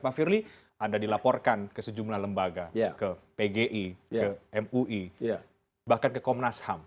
jadi anda dilaporkan ke sejumlah lembaga ke pgi ke mui bahkan ke komnas ham